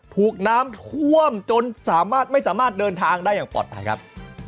ถูกน้ำท่วมจนสามารถไม่สามารถเดินทางได้อย่างปลอดภัยครับ